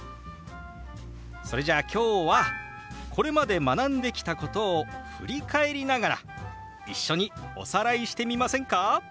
それじゃあ今日はこれまで学んできたことを振り返りながら一緒におさらいしてみませんか？